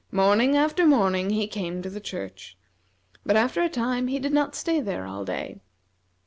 Morning after morning he came to the church, but after a time he did not stay there all day.